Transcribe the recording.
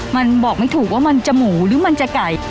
มันบอกไม่ถูกว่ามันจะหมูหรือมันจะไก่